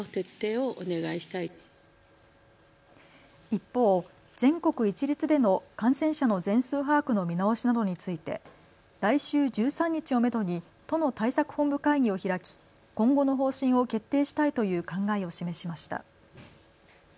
一方、全国一律での感染者の全数把握の見直しなどについて来週１３日をめどに都の対策本部会議を開き今後の方針を決定したいという考えを示しました。